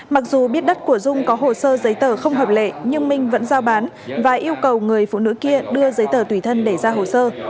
mặc dù biết đất của dung có hồ sơ giấy tờ không hợp lệ nhưng minh vẫn giao bán và yêu cầu người phụ nữ kia đưa giấy tờ tùy thân để ra hồ sơ